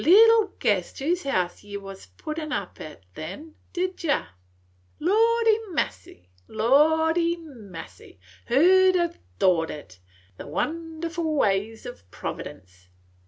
Ye little guessed whose house ye wus a puttin' up at then; did yer? Lordy massy, lordy massy, who 'd ha' thought it? The wonderful ways of Providence!